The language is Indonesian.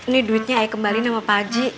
nih duitnya ayah kembalin sama pak haji